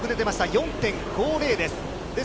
４．５０です。